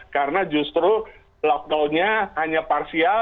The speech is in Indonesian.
karena justru lockdownnya hanya parsial